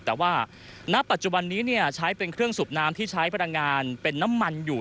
แต่ว่าณปัจจุบันนี้ใช้เป็นเครื่องสูบน้ำที่ใช้พลังงานเป็นน้ำมันอยู่